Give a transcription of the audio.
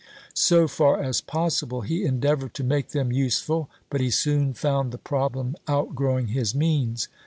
So far as possible he endeavored to make them useful, but he soon found the problem outgrowing his means.